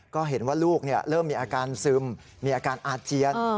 ก็เห็นว่าลูกเริ่มมีอาการซึมมีอาการอาเจียน